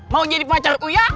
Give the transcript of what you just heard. mau jadi pacar uya